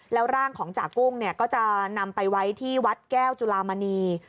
แล้วร่างของจากกุ้งก็จะนำไปไว้ที่วัดแก้วจุลามณี